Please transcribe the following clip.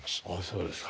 そうですか。